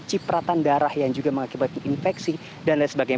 cipratan darah yang juga mengakibatkan infeksi dan lain sebagainya